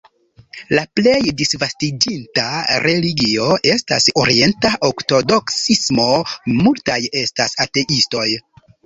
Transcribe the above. La plej disvastiĝinta religio estas orienta ortodoksismo, multaj estas ateistoj.